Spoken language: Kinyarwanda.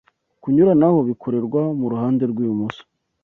Kunyuranaho bikorerwa mu ruhande rw'ibumoso